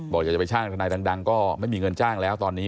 อยากจะไปจ้างทนายดังก็ไม่มีเงินจ้างแล้วตอนนี้